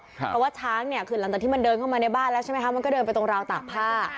เพราะว่าช้างเนี่ยคือหลังจากที่มันเดินเข้ามาในบ้านแล้วใช่ไหมคะมันก็เดินไปตรงราวตากผ้า